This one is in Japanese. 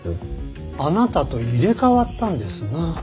あなたと入れ代わったんですな。